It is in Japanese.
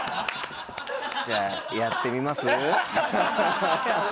じゃあやってみます？